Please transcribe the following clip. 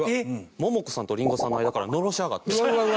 モモコさんとリンゴさんの間からのろし上がって。